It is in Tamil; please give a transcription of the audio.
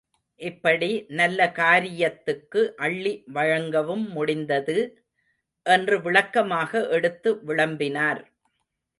இப்படி நல்ல காரியத்துக்கு அள்ளி வழங்கவும் முடிந்தது—என்று விளக்கமாக எடுத்து விளம்பினார்.